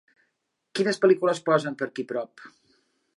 quines pel·lícules posen per aquí prop